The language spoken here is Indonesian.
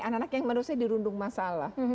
anak anak yang menurut saya dirundung masalah